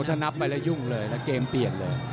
ถ้านับไปแล้วยุ่งเลยนะเกมเปลี่ยนเลย